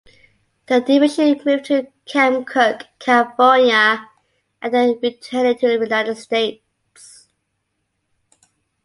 The division moved to Camp Cook, California after returning to the United States.